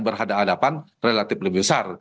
berhadapan hadapan relatif lebih besar